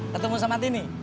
ketemu sama tini